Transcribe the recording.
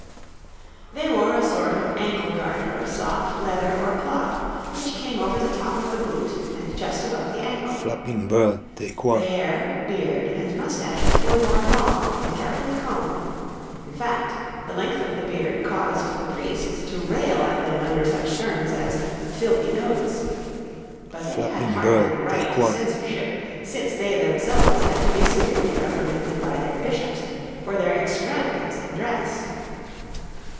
They wore a sort of ankle garter of soft leather or cloth, which came over the top of the boot and just above the ankle. The hair, beard, and moustaches were worn long and carefully combed in fact, the length of the beard caused the priests to rail at them under such terms as 'filthy goats.' But they had hardly the right to censorship, since they themselves had to be severely reprimanded by their Bishops for their extravagance in dress.